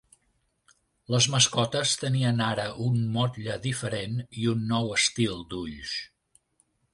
Les mascotes tenien ara un motlle diferent i un nou estil d'ulls.